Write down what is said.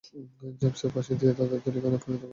জেমসের ফাঁসি তাদেরকে ধূলিকণায় পরিণত করার কারণ দিয়েছে।